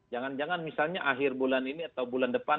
jangan jangan misalnya akhir bulan ini atau bulan depan